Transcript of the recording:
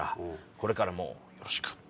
これからもよろしく。